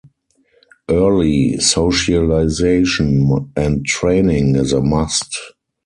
Early socialisation and training is a must.